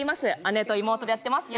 姉と妹でやってます